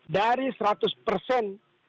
dari seratus persen